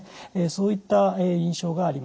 そういった印象があります。